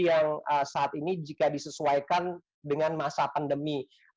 yang saat ini jika disesuaikan dengan masa pandemi